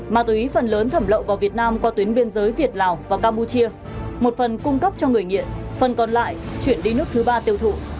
ma túy phần lớn thẩm lậu vào việt nam qua tuyến biên giới việt lào và campuchia một phần cung cấp cho người nghiện phần còn lại chuyển đi nước thứ ba tiêu thụ